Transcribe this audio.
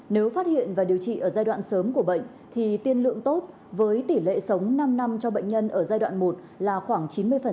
nếu phát hiện và điều trị ở giai đoạn sớm của bệnh thì tiên lượng tốt với tỷ lệ sống năm năm cho bệnh nhân ở giai đoạn một là khoảng chín mươi